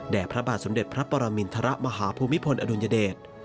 พระบาทสมเด็จพระปรมินทรมาฮภูมิพลอดุลยเดช